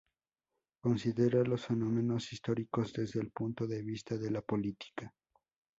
Considera los fenómenos históricos desde el punto de vista de la política.